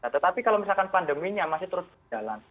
tetapi kalau misalkan pandeminya masih terus berjalan